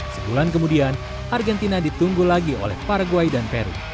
sebulan kemudian argentina ditunggu lagi oleh parguay dan peru